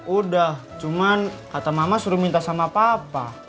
udah cuman kata mama suruh minta sama papa